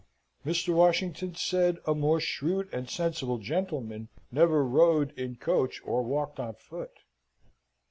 Mr. Washington said, a more shrewd and sensible gentleman never rode in coach or walked on foot.